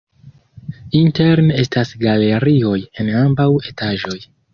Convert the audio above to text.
Interne estas galerioj en ambaŭ etaĝoj.